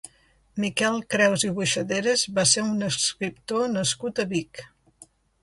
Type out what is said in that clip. Miquel Creus i Boixaderas va ser un escriptor nascut a Vic.